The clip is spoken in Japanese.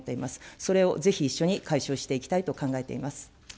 それをぜひ一緒に解消していきたいと考えています。